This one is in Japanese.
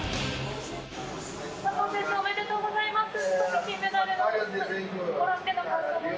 佐藤選手、おめでとうございます。